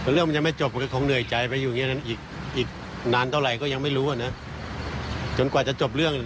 เรื่องมันยังไม่จบมันก็คงเหนื่อยใจไปอยู่อย่างนั้นอีกนานเท่าไหร่ก็ยังไม่รู้อ่ะนะจนกว่าจะจบเรื่อง